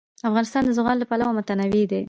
افغانستان د زغال له پلوه متنوع دی.